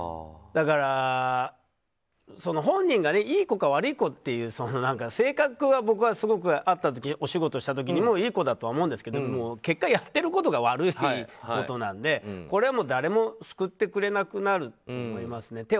だから、本人がいい子か悪い子かっていう性格は、僕は会った時お仕事した時にもいい子だと思ったんですけど結果、やってることが悪いことなのでこれはもう、誰も救ってくれなくなると思いますね。